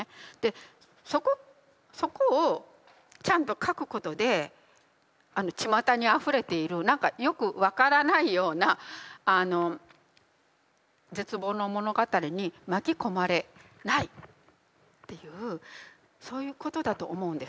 そこをちゃんと書くことであのちまたにあふれている何かよく分からないような絶望の物語に巻き込まれないっていうそういうことだと思うんです。